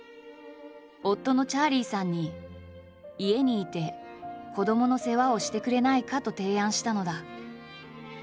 夫のチャーリーさんに「家にいて子どもの世話をしてくれないか」と提案したのだ。